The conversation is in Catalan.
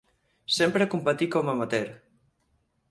Sempre competí com amateur.